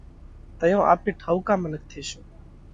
تئيون آپي ٺائُوڪا منک ٿيشون۔